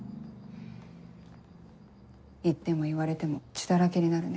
言っても言われても血だらけになるね。